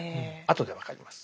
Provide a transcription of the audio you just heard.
後で分かります。